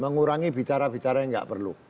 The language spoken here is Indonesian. mengurangi bicara bicara yang nggak perlu